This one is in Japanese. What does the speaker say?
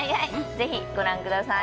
ぜひご覧ください